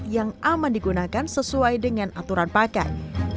yang aman digunakan sesuai dengan aturan pakai